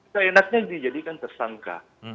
seenaknya dijadikan tersangka